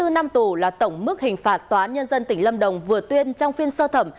hai mươi năm tù là tổng mức hình phạt tòa án nhân dân tỉnh lâm đồng vừa tuyên trong phiên sơ thẩm